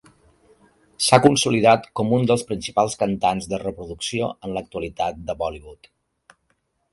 S'ha consolidat com un dels principals cantants de reproducció en l'actualitat de Bollywood.